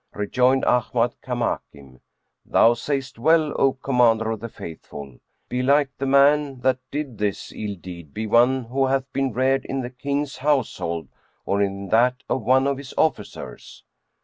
Rejoined Ahmad Kamakim, "Thou sayest well, O Commander of the Faith ful; belike the man that did this ill deed be one who hath been reared in the King's household or in that of one of his officers."